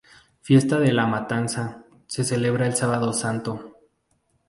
Fiesta de la matanza, se celebra el sábado santo.